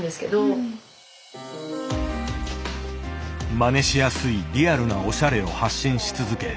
真似しやすいリアルなおしゃれを発信し続け